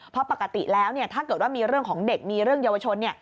เพราะปกติแล้วถ้าเกิดว่ามีเรื่องของเด็กมีเรื่องเยาวชน